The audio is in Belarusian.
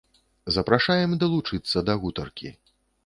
Запрашаем далучыцца да гутаркі.